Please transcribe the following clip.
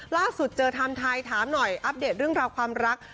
ล่าสุดเจอไทม์ไทยถามหน่อยอัปเดตเรื่องราวความรัก